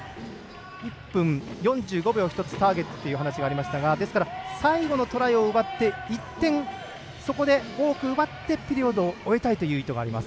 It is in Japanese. １分４５秒を１つターゲットということでトライで１点、そこで多く奪ってピリオドを終えたいという意図があります。